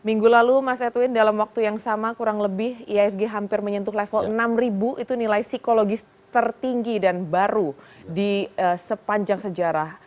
minggu lalu mas edwin dalam waktu yang sama kurang lebih ihsg hampir menyentuh level enam ribu itu nilai psikologis tertinggi dan baru di sepanjang sejarah